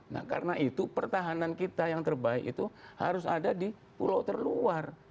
nah karena itu pertahanan kita yang terbaik itu harus ada di pulau terluar